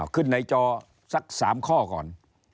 ขึ้นในจอสัก๓ข้อก่อน